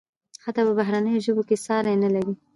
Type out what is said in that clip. حتی په بهرنیو ژبو کې ساری نلري.